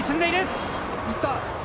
いった！